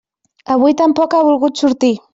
Avui tampoc ha volgut sortir.